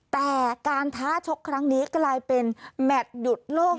แต่การท้าชกครั้งนี้กลายเป็นแมทหยุดโลก